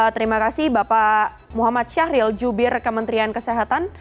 terima kasih bapak muhammad syahril jubir kementerian kesehatan